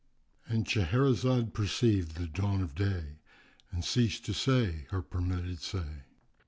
——And Shahrazad perceived the dawn of day and ceased saying her permitted say.